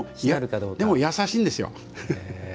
でも優しいんですよ。